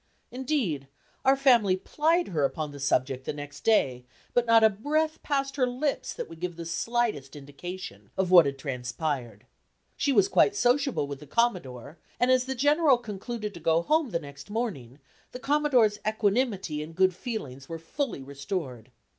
Indeed, our family plied her upon the subject the next day, but not a breath passed her lips that would give the slightest indication of what had transpired. She was quite sociable with the Commodore, and as the General concluded to go home the next morning, the Commodore's equanimity and good feelings were fully restored.